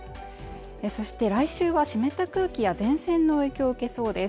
そして来週は湿った空気や前線の影響を受けそうです